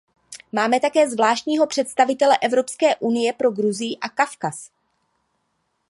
Máme také zvláštního představitele Evropské unie pro Gruzii a Kavkaz.